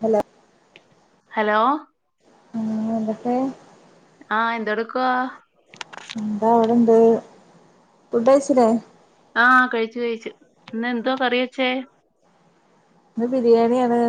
Hello hello ആ ഇന്നിട്ട് ആ എന്തോടുക്കുവാ ന്താ ഇവ്ടണ്ട് ഫുഡ്ഡഴ്ചിലേ ആ കഴിച്ചു കഴിച്ചു ഇന്ന് എന്തോ കറി വെച്ചേ ഇന്ന് ബിരിയാണിയാണ്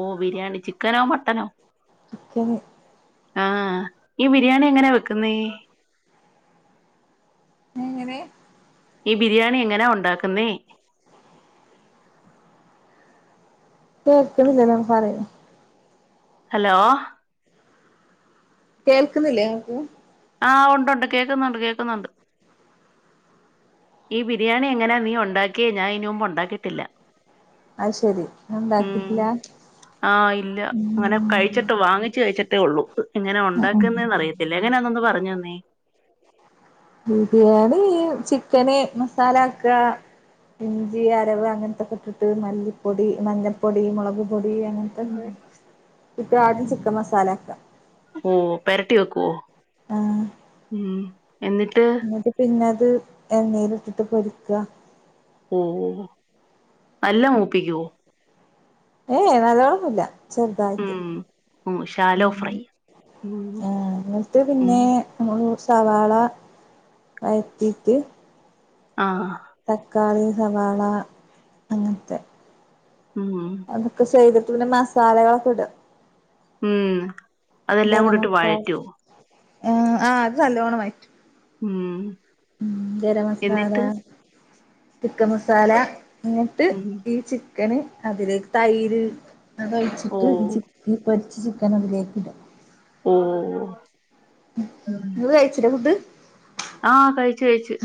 ഓ ബിരിയാണി ചിക്കനോ മട്ടനോ ചിക്കന് ആഹ് ഈ ബിരിയാണി എങ്ങനാ വെക്കുന്നേ എങ്ങനെ ഈ ബിരിയാണി എങ്ങനാ ഒണ്ടാക്കുന്നേ? കേൾക്ക്ണില്ലല്ലോ പറയ് ഹലോ കേൾക്കുന്നില്ലേ ഇങ്ങക്ക് ആഹ് ഒണ്ടൊണ്ട് കേക്കുന്നുണ്ട് കേക്കുന്നുണ്ട് ഈ ബിരിയാണി എങ്ങനാ നീ ഒണ്ടാക്കിയേ ഞാൻ ഈനു മുമ്പ് ഒണ്ടാക്കീട്ടില്ല അത് ശെരി ഉം ഉണ്ടാക്കിട്ടില്ല ആ ഇല്ല അങ്ങനെ കഴിച്ചിട്ട് വാങ്ങിച്ച് കഴിച്ചിട്ടേ ഒള്ളൂ എങ്ങനെ ഒണ്ടാക്ക്ന്നേന്ന് അറിയത്തില്ല എങ്ങനാന്നൊന്ന് പറഞ്ഞു തന്നേ ബിരിയാണി ഈ ചിക്കന് മസാലക്കാ ഇഞ്ചി അരവ് അങ്ങൻത്തൊക്കെ ഇട്ടിട്ട് മല്ലിപ്പൊടി മഞ്ഞൾപ്പൊടി മുളക് പൊടി ഉം. അങ്ങനത്തൊക്കെ ഇപ്പം ആടും ചിക്കൻ മസാല ഒക്കെ ഓ പെരട്ടി വെക്കുവോ ആ എന്നിട്ട് പിന്നെ ത് എണ്ണേലിട്ടിട്ട് പൊരിക്കാ ഓഹ് ഓ നല്ല മൂപ്പിക്കുവോ ഏയ് നല്ലോണന്നുമില്ല. ചെറുതായിട്ട് ഉം ഉം ശാലോ മ് ഫ്രൈ ഉം ആ എന്നിട്ട് ഉം പിന്നെ സവാള വയറ്റീട്ട് ആഹ് തക്കാളി സവാള അങ്ങനത്തെ ഉം അതൊക്കെ ചെയ്ത് ത്തുനെ മസാലകളൊക്കെ ഇടും മ് അതെല്ലാം ഗരം കൂടെയിട്ട് മസാല വഴറ്റോ ആഹ് ആ അത് തല്ലോണം വഴറ്റും മ് മ് ഗരമസാല ചിക്കൻ മസാല ങ്ങട്ട് ഉം ഈ ചി ക്കനെ അതില് തൈര് ഓ അതൊഴിച്ചിട്ട് ചി ചിക്കൻ അതിലേക്ക് ഇട ഓഹ് ങ്ങള് കയിച്ചില്ലേ ഫുഡ് ആ കഴിച്ച് കഴിച്ച്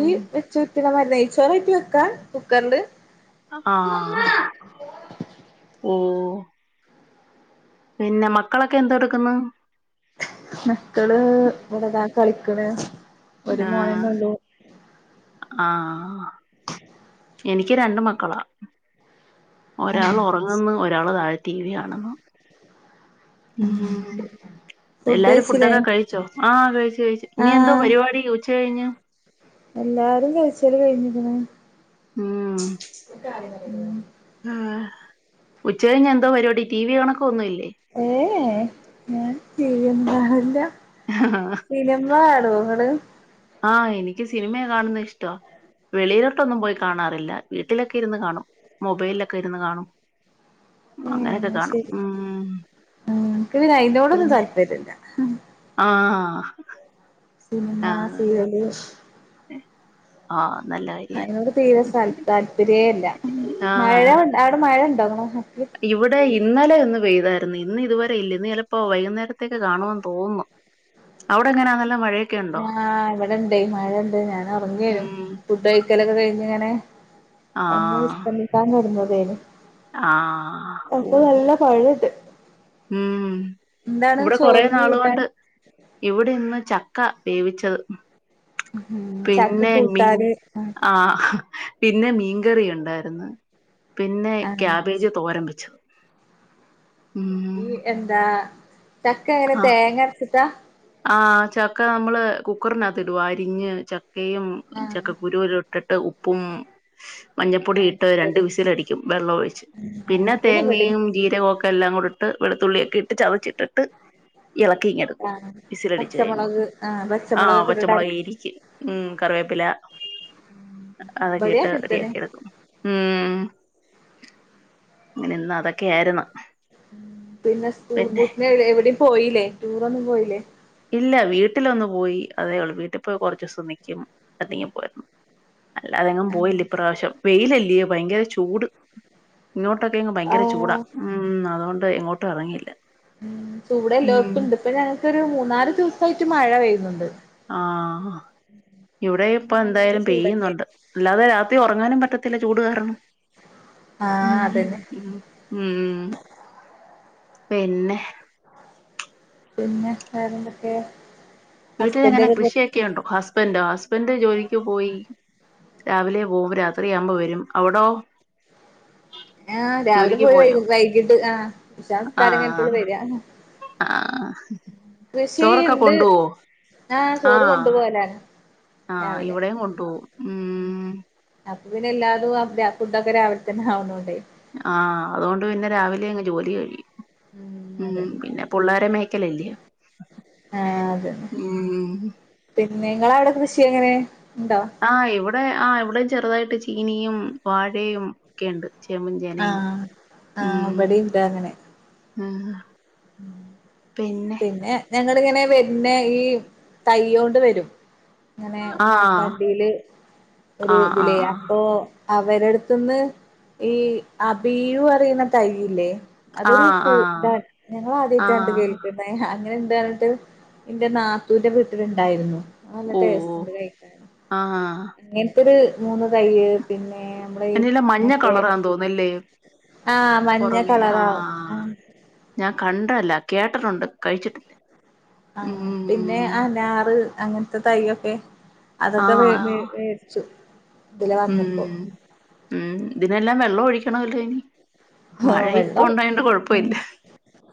മ് ത് നമ്മ നെയ്ച്ചോറായിട്ട് വെക്കാ കുക്കറില് ആഹ് ഓഹ് പിന്നെ മക്കളൊക്കെ എന്തെടുക്കുന്ന് മക്കള് ഒടതാ കളിക്കണ് ഒരു മോനന്നെ ആഹ് ഉള്ളൂ ആഹാ എനിക്ക് രണ്ട് മക്കളാ ഒരാൾ ഒറങ്ങുന്ന് ഒരാള് താഴെ ടി വി കാണുന്നു മ് ഫുഡ് എല്ലാരും കഴിച്ചില്ലേ ഫുഡൊക്കെ കഴിച്ചോ ആ കഴിച്ചു കഴിച്ചു ഇനി എന്തോ ആഹ് പരിപാടി ഉച്ച കഴിഞ്ഞ് എല്ലാരും കഴിച്ചല് കഴിഞ്ഞേക്കണ് മ് ഇക്കാ [unintelligible] ആ ഉച്ചകഴിഞ്ഞെന്തോ പരിപാടി ടി വി കണക്കൊ ഒന്നുംല്ലേ ഏ ഞാൻ ടീവി യൊന്നും കാണെല്യ സിനിമ കാണോ ങ്ങള് ആ എനിക്ക് സിനിമ കാണുന്ന ഇഷ്ടാ. വെളിയിലോട്ടൊന്നും പോയികാണാറില്ല. വീട്ടിലൊക്കെ ഇരുന്ന് കാണും മൊബൈ ലൊക്കെ ഇരുന്ന് കാണും ഏഹ് അങ്ങനെയൊക്കെ അഹ് കാണും ശരി ഉം മ് ഇൻക്ക് പിന്നെ അയിനോടൊന്നും പിന്നെ താൽപര്യല്ല. ആഹ് സിനിമ, ആഹ് സീരിയല്. ആഹ് നല്ല കാര്യാ അയിനോട് തീരെ സ താല്പര്യല്ല, മഴ ആഹ് അവിടെ മഴണ്ടോ അവിടെ? ഇവിടെ ഇ ഇന്നലെ ഒന്ന് പെയ്തായിരുന്നു ഇന്ന് ഇതുവരെ ഇല്ല ഇന്ന് ചെലപ്പോ വൈകുന്നരത്തേക്ക് കാണൂന്നു തോന്നുന്നു അവിടെങ്ങന ന ഞാ ഇവിടണ്ടേ മഴണ്ട് ഞാൻ ഒർങ്ങേനു ഉം ഫുഡ് കഴിക്കലൊക്കെ കയി ങ്ങനെ ഒന്ന് വിശ്രമിക്കാൻ തുട ന്തേലും ആ ഓ മഴണ്ട് ഉം എന്താണ് ഇവിടെ കൊറെേ ചോറിന് നാള് കൂട്ടാൻ കൊണ്ട് ഇവിടെ ഇന്ന് ച ചക്ക വേവിച്ചത് ഉം ചക്ക പിന്നെ മീൻ കൂട്ടാന് ആഹ് പിന്നെ മീൻകറിയുണ്ടായിരുന്നു. പിന്നെ ആഹ് ക്യാബേജ് തോരൻ വെച്ചു ഈ ഉം എന്താ ചക്ക എങ്ങനെ ആഹ് തേങ്ങരച്ചിട്ടാ? ആഹ് ചക്ക നമ്മള് കുക്കറിനകത്ത് ഇടുവാ അരിഞ്ഞ് ച ചക്കയും ആഹ് ചക്ക കുരു [unintelligible] ഇട്ടിട്ട് ഉപ്പും മഞ്ഞപ്പൊടി ഇട്ട് രണ്ട് വിസിലടിക്കും വെള്ളൊഴിച്ച് ഉം പിന്നെ അങ്ങൻത്തന്നെ ഇബടിം തേങ്ങയും ജീരകവും ഒക്കെ എല്ലാം കൂടെ ഇട്ട് വെളുത്തുള്ളിയൊക്കെ ഇട്ട് ചതച്ചിട്ടിട്ട് ഇളക്കിയിങ്ങെടുക്കും ആഹ് വിസിലടിച്ച് കഴിയുമ്പം പച്ചമുളക് ആഹ് ആ പച്ചമുളകൊക്കെ ഇട്ടിട്ട് പച്ചമുളക് അരക്കും ഇടിക്കും മ് കറിവേപ്പില ഇബടിം അതൊക്കെഇട്ട് അങ്ങൻത്തന്നെ റെഡിയാക്കി എടുക്കും ഉം അങ്ങനെ ഇന്ന് അതൊക്കെ ആര്ന്നു. പിന്നെ സ്കൂൾ ബൂട്ടിനെ എവിടെ പോയീല്ലേ? ഇല്ല വീട്ടിലൊന്നു പോയി അതേ ഉള്ളൂ വീട്ടി പോയി കുറച്ചിസം നിക്കും അല്ലെങ്കും പോയിരുന്നു അല്ല അതെങ്ങും പോയില്ല ഇപ്രാവശ്യം വെയിലല്ലയേ ഭയങ്കര ചൂ ചൂട് ഇങ്ങോട്ടൊക്കെങ് ഭയങ്കര ചൂടാ ആഹ് ഉം അതുകൊണ്ട് എങ്ങോ ട്ട് എറങ്ങിയില്ല ഉം ചൂട് എല്ലോട്ത്തും ഇണ്ട് ഇപ്പ ഞങ്ങ [unintelligible] ഒരു മൂന്നാല് ദിവസായിട്ട് മഴ പെയ്യ്ന്ന്ണ്ട് ആഹ് ഇവ്ടെ പിന്നെ ഇപ്പ പിന്നെ നല്ല എന്തായാലും ചൂടല്ലേ പെയ്യ്ന്നുണ്ട് അല്ലാതെ രാത്രി ഒറങ്ങാനും പറ്റത്തില്ല ചൂട് കാരണം ആഹ് അതന്നെ ഉം പിന്നെ പിന്നെ വേറെന്തൊക്കെ വീട്ട്ല് ഹസ്ബൻഡ് എങ്ങനെ ഒക്കെ കൃഷിയൊക്കെ പോ ഉണ്ടോ? ഹസ്ബന്റോ ഹസ്ബന്റ് ജോലിക്ക് പോയി രാവിലെ പോക്കും രാത്രിയാവുമ്പോ വെരും അവ്ടോ ആഹ് രാവിലെ പോയി വൈകിട്ട് ആഹ് ഇഷാനിസ്കാരം കയ്ഞ്ഞിട്ടാ ഓല് ആഹ് വെരാ ആഹ് കൃഷി ചോറൊക്കെ ണ്ട് കൊണ്ടുപോവോ ആഹ് ചോറ് കൊണ്ടു പോലാണ് ആഹ് ഇവിടെയും കൊണ്ടു പോവും അ ഇതിനെല്ലാതും ഫുഡൊക്കെ രാവിലെ തന്നെ ആവുന്നണ്ടേ ആഹ് അതു കൊണ്ട് പിന്നെ രാവിലെ അങ്ങ് ജോലി കയ്യും ഉം പിന്നെ പുള്ളാരെ [unintelligible] ക്കലല്ല്യോ ഉം നിങ്ങവിടെ കൃഷി എങ്ങനെ? ഇണ്ടോ ആഹ് എവിടെ ഇവിടെ ആ ഇവിടെ ചെറുതായിട്ട് ചീനിയും വാഴയും ഒക്കെയുണ്ട് ചേമ്പും ചേനയും ആഹ് ആഹ് അപടി ണ്ടങ്ങനെ ആ പിന്നെ ഞങ്ങളിങ്ങനെ വര്ന്നേ ഈ തയ്യോണ്ട് വരും. അങ്ങനെ ആഹ് വണ്ടിയില് ഒരു ആഹ് ആഹ് വിലയാപ്പോ അവരടുത്തന്ന് ഈ അബിയു അറിയുന്ന തയ് ല്ലേ ആഹ ആഹ ഞങ്ങൾ ആദ്യയിട്ടാണ്ട് കേൾക്കുന്നേ അങ്ങനെ ണ്ടർന്നിട്ട് എന്റെ നാത്തൂന്റെ വീട്ടിലുണ്ടായിരുന്നു. ആ നല്ല ഓഹ് ടേസ്റ്റ്ണ്ട് കഴിക്കാണ് ആഹ് അങ്ങൻത്തെരു മൂന്ന് തയ്യ് പിന്ന എന്നെല്ല മഞ്ഞ കളറാൻ തോന്നല്ലേ ആഹ് മഞ്ഞ പുറമേ കളറാവും ആഹ ആഹ് ഞാ കണ്ടല്ല കേട്ടിട്ടുണ്ട് കഴിച്ചിട്ടില്ല ആ പിന്നെ ഉം അനാറ് അങ്ങൻത്തെ തയ്യൊക്കെ അതൊക്കെ വ മേ ആഹ് മേട്ച്ചു. തില ഉം വന്നപ്പോ ഉം ഇതിനെല്ലാം വെള്ളം ഒഴിക്കണല്ലോ ഇനി ആ മഴ ഇപ്പ വെള്ളം ഉണ്ടായോണ്ട് കൊഴപ്പമില്ല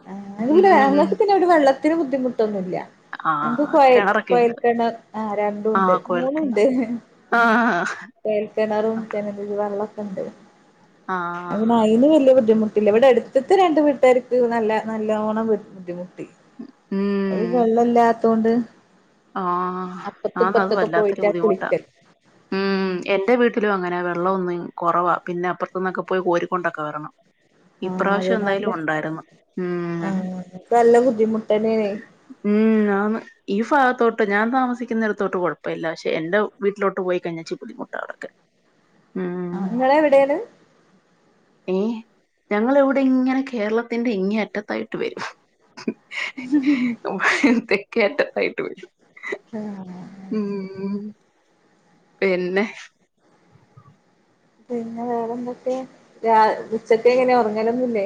അ ഉം ഞങ്ങക്ക് പിന്നെ വെള്ളത്തിന് ബുദ്ധിമുട്ടൊന്നുല്ല. ഞങ്ങക്ക് ആഹ് കിണറൊക്കെ ഉണ്ട് കോയൽക്കണറ് ആ രണ്ടുംണ്ട് ആഹ് കുഴൽക്കിണർ മൂന്നുംണ്ട് ആ ആഹ് കെണറും ജല നിധി വള്ള ത് ണ്ട് ആഹ ബുദ്ധിമുട്ടില്ല ഇവിടെ അടുത്ത രണ്ട് വീട്ടാർക്ക് നല്ല നല്ലോണ്ണം ബുദ്ധിമുട്ട് അത് വെള്ളല്ല തോണ്ട് ആ ആന്ന അത് വല്ലാത്തൊരു പോയിട്ടാ ബുദ്ധിമുട്ടാ കുളിക്കല് ഉം എന്റെ വീട്ടി ത്തിലും അങ്ങനെ വെള്ളം ഒന്നും കുറവാ പിന്നെ അപ്പറത്ത നിന്നൊക്കെ പോയി കോരിക്കൊണ്ടൊക്കെ വരണം ആഹ് അത് ഇപ്രാവശ്യം നല്ല എന്തായാലും ഉണ്ടായിരുന്നു ആഹ് ഇൻക്ക് നല്ല ബുദ്ധിമുട്ടെന്നേണേ ഉം ആന്ന് ഈ ഫ ഇത്തോട്ട് ഞാ താമിക്കുന്നിടത്തോട്ട് കുഴപ്പമല്ല പക്ഷെ എന്റെ വീട്ടിലോട്ട് പോയി കഴിഞ്ഞ ച്ചിരി ബുദ്ധിമുട്ട വിടെയൊക്കെ ആ ങ്ങള എവിടേണ് ഏ ഞങ്ങൾ എവിടെ ഇങ്ങനെ കേരളത്തിറെ ഇങ്ങ അറ്റത്തായിട്ട് വരും [unintelligible] [unintelligible] ഉം ആഹ് പിന്നെ പിന്നെ വേറെന്തൊക്കെ രാ ഉച്ചത്തെ എങ്ങനെ ഉറങ്ങലൊന്നില്ലേ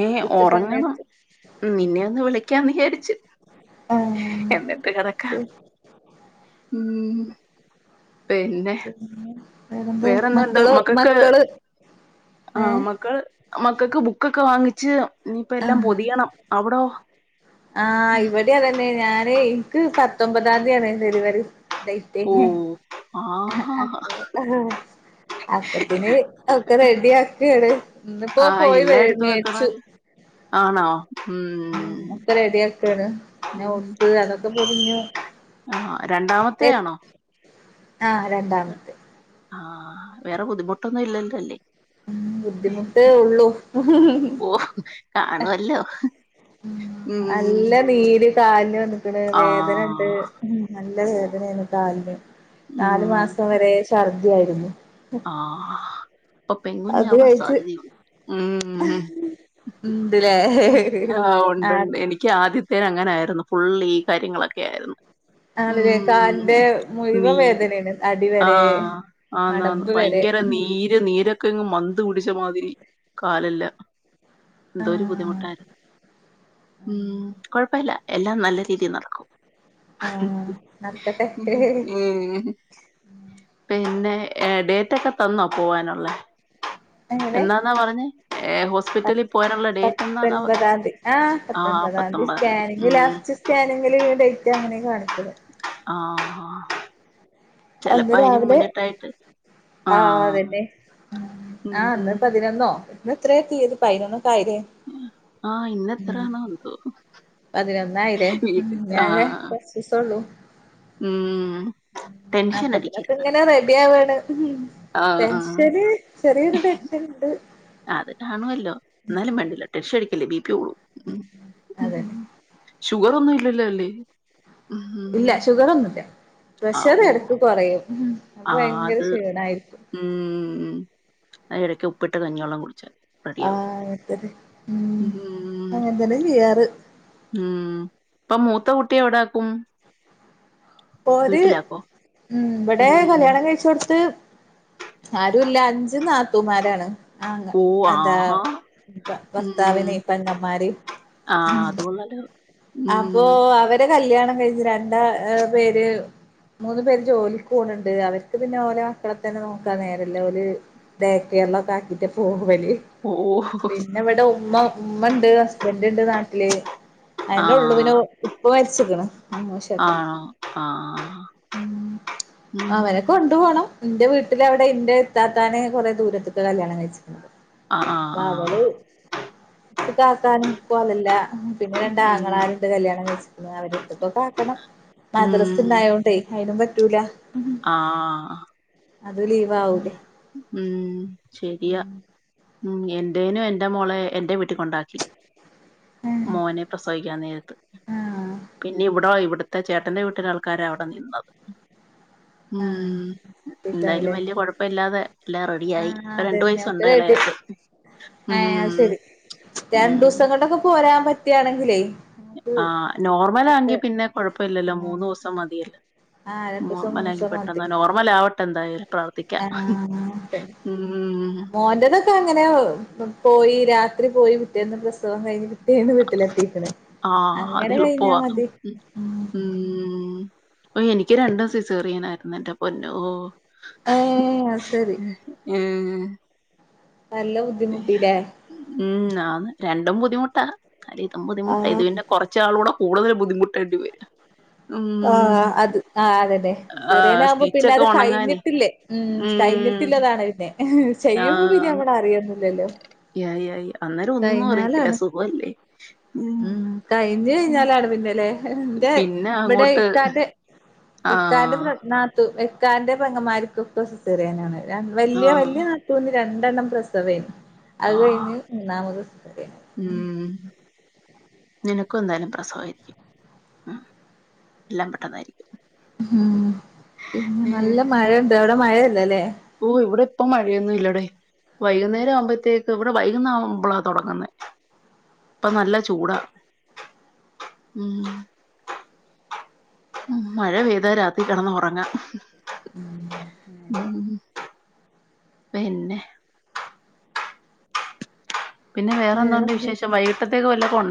ഏ ഉറങ്ങണം നിന്നെ ഒന്ന് വിളി വിളിക്കാന്നുവിചാരിച്ചു ആഹ് എന്നിട്ട കെടക്കാം ഉം പിന്നെ പിന്നെ വേറെന്താ വേറെന്തുണ്ട് മക്കള് മക്കൾക്ക് മക്കള് മക്കക്ക് ബുക്കൊക്കെ വാങ്ങിച്ച് ഇനിയിപ്പോ എല്ലാം ആഹ് പൊതിയണം അവിടോ ആഹ് ഇവിടെയതന്നെ ഞാനെ ക്ക് പത്തൊമ്പതാം തീയതിയാണ് ഡെലിവറി ടെയ്റ്റെ ഓ ആ അ ഓ അപ്പത്തിന് ഒക്കെ റെഡിയാക്കുവാണ് ഇന്നിപ്പോ ആ പോയി വെ എല്ലായിടത്തും മേടിച്ചു വെക്കണല്ലോ ആണോ ഉം ഉ ഒക്കെ റെഡി ആക്കാണ് ന്ന ഉം ബുക്ക് അതൊക്കെ പൊതിഞ്ഞു ആ രണ്ടാമത്തെ ആണോ? ആ രണ്ടാമത്തെ ആഹ് വേറെ ബുദ്ധിമുട്ടൊന്നും ഇല്ലല്ലല്ലേ ഉ ബുദ്ധിമുട്ടെ ഉള്ളൂ ഓ കാണുവല്ലോ ഉം നല്ല നീര് കാലിനു അതേ വേദന ഇണ്ട് ആഹ് നല്ല ഓ വേദനയാണ് കാലിന് നാലു ഉം മാസം വരെ ശർ ബിസിയായിരുന്നു ആഹ് അപ്പ പെൺ അത് കുഞ്ഞാവാൻ കഴിച്ച് സാധ്യതയുണ്ട് ഉണ്ട്ല്ലേ ഉ ആ ആഹ് ഒണ്ട്ണ്ട് എനിക്ക് ആദ്യത്തേന അങ്ങനായിരുന്നു ഫുള്ള് ഈ കാര്യങ്ങളൊക്കെ ആരുന്നു ആണ് ഇല്ലേ കാലിന്റെ മുഴുവ നീര് വേദനയാണ് അടിവരെ ആഹ് മട ആന്നാന്ന് ഭയങ്കര നീര് നീരൊക്കെ ഇങ്ങ് മ- മന്ത്‌ പിടിച്ച മാതിരി കാലെല്ലാം എന്തോരു ആഹ് ബുദ്ധിമുട്ടായാരുന്നു ഉം കൊഴപ്പവില്ല എല്ലാം നല്ല രീതി നടക്കും ആഹ് നടക്കട്ടെ ഉം പിന്നെ എടെ മൊട്ടയൊക്കെ തന്നോ പോവാനൊള്ളെ എന്നന്നാ പറഞ്ഞെ ഏ ഹോസ് പ പത്തൊൻപതാം തീ ആ പത്തൊൻപതാം തീ പത്തൊമ്പതാം തീയതി സ്കാനിങ് ഉം ലാസ്റ്റ് സ്കാനിങ്ങിലെ ഡേയ്റ്റാ ങ്ങ [unintelligible] നെ കാണിക്കല്ല് ആഹ് ആഹ് അന്ന് രാവിലെ ആ അത് തന്നെ ഉം ആ അന്ന് പതിനൊന്നോ ന്ന് എത്ര തിയ്യതി പതിനൊ ആഹ് ഇന്നത്രനോ എന്തോ പതിനൊന്നായില്ലേ വീട്ടിൽ ഇനി ആ ആകെ കൊർച്ചീസൊള്ളു. ഉം ടെൻഷൻ അപ്പത്തിനൊക്കെ അടിക്കരുത് ഇങ്ങനെ റെഡി ആവാണ്. ആ ആ ടെൻഷന് ചെറിയൊരു ടെൻഷനുണ്ട്. അത് കാണുവല്ലോ എന്നാലും വേണ്ടില്ല ടെൻഷൻ അടിക്കില്ലേ ബെ അതെ ഷുഗർ ഒന്നും ഇല്ലല്ലോ അല്ലേ ഉം, ഇല്ല ഷുഗർ ഒന്നും ല്ല. ആ പ്രെഷർ ഓ എടക്ക് കൊറയും. ഉം ആ അത് ഉം മ് അതിന് ഇടയ്ക്ക് ഉപ്പിട്ട കഞ്ഞിവെള്ളം കുടിച്ചാതി. ആഹ് അങ്ങനെത്തന്നെ ഉം ഉം അങ്ങനെ തന്നെയ ചെയ്യാറ് ഉം ഇപ്പൊ മൂത്ത കുട്ടി എവിടാക്കും? ഓര് വീട്ടിലാകോ ഉം ഇവിടെ കല്യാണം കഴിചോട്ത്ത് ആരുല്ല അഞ്ച് നാത്തൂമാരാണ് ആ ഓ എന്താ ആഹാ ഉം ഭർതാവിന് ഇപ്പ പെങ്ങമ്മാർ ആഹ് ഉം അത് കൊള്ളാലോ അപ്പോ ഉം അവരെ കല്യാണം കഴിഞ്ഞ് രണ്ടാ പേര് മൂന്നു പേര് ജോലിക്ക് പോക്ണ്ണ്ട് അവർക്ക് പിന്നെ ഓലെ മക്കളെന്നെ നോക്കാ നേരെല്ല ഓല് ഡെകെയർ ഒക്കെ ആക്കിട്ട് പോ വല് ഓ പിന്നെ ഇവിടെ ഉമ്മ ഉമ്മ ഇണ്ട് ബന്റ ണ്ട് നാട്ടില് അതന്നെ ഉള്ളു ആഹ് പിന്നെ ഇപ്പ മരിച്ചിക്കണ് അമ്മോശക്ക, ആണോ ആഹ് ഉം അവനൊക്കെ കൊണ്ടു പോണം എന്റെ വീട്ടിൽ അവിടെ എന്റെ ഇ ത്താത്താനെ കൊറെേ ദൂരത്തേക്ക കല്യാണം കഴിച്ചേ ആഹ് പ്പ ആഹ് ആഹ് അവള് ട്ട് കാക്കാനും കോലല്ല ഉം പിന്നെ രണ്ടാ ഉം ആങ്ങളാര്ണ്ട് കല്യാണം കഴിച്ചിക്ക്ന്നാ അവരെര്ത്ക്കൊക്കെ ആക്കണം മദ്റസ് ഉം ഉണ്ടായൊണ്ടേ ആയിനും റ്റൂലാ ആഹ് ലീവാവൂലേ ഉം ശരിയാ ഉം എന്റെനും എന്റെ മോളെ എന്റെ കൊണ്ടാക്കി ഏഹ് മോനെ പ്രസവിക്കാൻ നേരത്ത് ആഹ് പിന്നെ ഇവിട ഇവിട ത്ത ചേട്ടന്റെ വീട്ടില ആൾക്കാരാ അവിടെ നിന്നത് ആഹ് ഉം ന്തായാലും ല്ലേ വല്യ കൊഴപ്പല്ലാതെ എല്ലാ റെഡിയായി പ്പ രണ്ടു വയസുണ്ട് എളേ ഏ അയ് സരി ഉം രണ്ടൂസം കൊണ്ടൊക്കെ പോരാൻ പ റ്റാണെങ്കിലേ ആഹ നോർമലാങ്കി പിന്നെ കൊഴപ്പെല്ലല്ലോ ആഹ് മൂന്നൂസം മതിയല്ല ആഹ് നോർമൽ ആക്കി പെട്ടെന്ന് നോർമൽ ആവട്ടെന്താ ആ തെ ഉം മോന്റേതൊക്കെ അങ്ങനെയ പോയി രാത്രി പോയി പിറ്റേന്ന് പ്രസവം കഴിഞ്ഞ് പിറ്റെന്ന് വിട്ടിലെത്തി ആഹ അത് എളുപ്പവാ ഉം ഉം ഓ എനിക്ക് രണ്ടും സിസേറിയനായിരുന്നു എന്റെ പൊന്നോ ഏ അയ് സരി [inaudible] ഉം ആന്ന് രണ്ടും ബുദ്ധമുട്ടാ അലെ തും ബുദ്ധിമുട്ടാ ത് ആഹ് പിന്നെ കൊറച് നാളൂടെ കൂടുതൽ ബുദ്ധിമുട്ടായിട്ട് വര ആഹ അത് ആഹ അത അതെ ആഹ് ചെറിയനാവുമ്പോ പിന്നെ സ്റ്റിച്ചൊക്കെ അത് ഒണങ്ങാനേ കഴിഞ്ഞിട്ടില്ലേ ഉം ഉം കഴിഞ്ഞിട്ടില്ലതാണ് പിന്നെ ചെയ്യുമ്പോ പിന്നെ നമ്മള അറിയന്നില്ലല്ലോ യ യ യ അന്നേരം ഒന്നും അറിയത്തില്ല സുഖല്ലേ ഉം കഴിഞ് ഴിഞ്ഞാലാണ് പിന്നെലേ ന്റെ പിന്നെ ഇവിടെ അങ്ങോട്ട് ഇക്കാന്റെ ഇക്കാന്റെ ആഹ് ഫ്ര നാത്തൂ ഇക്കാന്റെ പെങ്ങമ്മാർക്കൊക്കെ സിസേറിയനാണ് വലിയ വലിയ ആഹ് നാത്തൂന് രണ്ട് ണ്ടണ്ണം പ്രസവേനു അത് ആഹ് കഴിഞ്ഞ് മൂന്നാമത് സിസേറിയൻ ഉം നിനക്കും എന്തായാലും പ്രസവമായിരിക്കും ഉം എല്ലാം പെട്ടെന്നായിരിക്കും ഉം പിന്നെ നല്ല മഴുണ്ട് അവിടെ മഴ ല്ലല്ലേ ഓ ഇവിടെ ഇപ്പൊ മഴയൊന്നുല്ലടൈ വൈകുന്നേരാവുമ്പോഴത്തേക്ക് ഇവിടെ വൈകുന്നേ ആവുമ്പോളാ തുടങ്ങുന്നെ ഇപ്പൊ നല്ല ചൂടാ ഉം ഉ മഴ പെയ്താൽ രാത്രി കിടന്ന് ഉറങ്ങാം ഉം പിന്നെ പിന്നെ വേറെന്തതുണ്ട് വേറെന്താ വിശേഷം വൈകിത്തേക്ക് വല്ലതക്ക ഉണ്ട